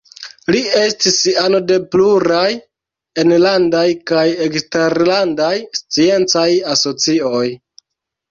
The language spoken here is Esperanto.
Li estis ano de pluraj enlandaj kaj eksterlandaj sciencaj asocioj.